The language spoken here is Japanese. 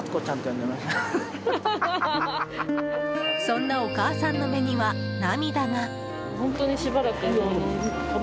そんなお母さんの目には涙が。